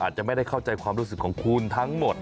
อาจจะไม่ได้เข้าใจความรู้สึกของคุณทั้งหมด